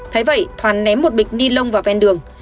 thấy vậy thoán ném một bịch ni lông vào ven đường